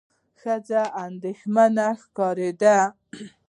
ښځه اندېښمنه ښکارېده.